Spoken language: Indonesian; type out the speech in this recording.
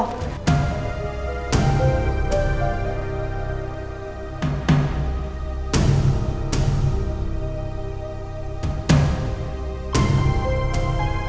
nggak patut nyerah